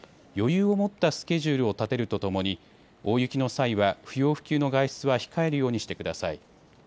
余裕を持ったスケジュールを立てるとともに大雪の際は不要不急の外出は控えるようにしてください。